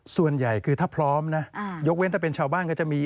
ส่วนใหญ่คือถ้าพร้อมนะยกเว้นถ้าเป็นชาวบ้านก็จะมี